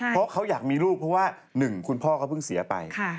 เพราะเขาอยากมีลูกเพราะว่าหนึ่งคุณพ่อเขาเพิ่งเสียไป